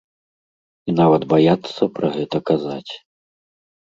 І нават баяцца пра гэта казаць.